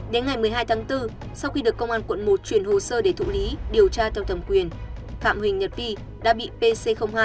đến ngày một mươi hai tháng bốn sau khi được công an quận một chuyển hồ sơ để thụ lý điều tra theo thẩm quyền phạm huỳnh nhật vi đã bị pc hai